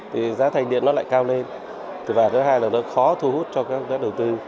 thì giá thành điện nó lại cao lên và thứ hai là nó khó thu hút cho các nhà đầu tư